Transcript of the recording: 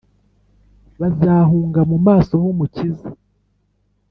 bazahunga mu maso h’umukiza,